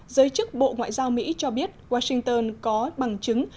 giới chức bộ ngoại giao mỹ cho biết washington có bằng chứng